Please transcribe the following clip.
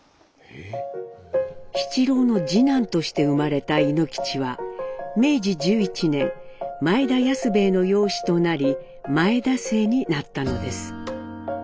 七郎の次男として生まれた猪吉は明治１１年前田安平の養子となり「前田姓」になったのです。